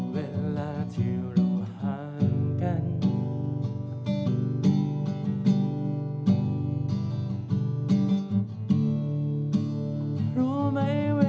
อู๋น่ารักนะเธอ